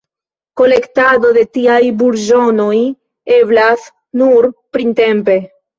Kolektado de tiaj burĝonoj eblas nur printempe.